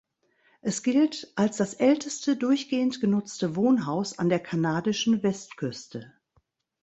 Es gilt als das älteste durchgehend genutzte Wohnhaus an der kanadischen Westküste.